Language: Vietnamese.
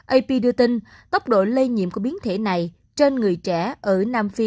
ap đưa tin tốc độ lây nhiễm của biến thể này trên người trẻ ở nam phi